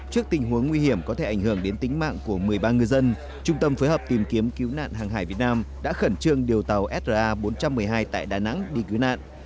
trước tình huống nguy hiểm có thể ảnh hưởng đến tính mạng của một mươi ba ngư dân trung tâm phối hợp tìm kiếm cứu nạn hàng hải việt nam đã khẩn trương điều tàu sar bốn trăm một mươi hai tại đà nẵng đi cứu nạn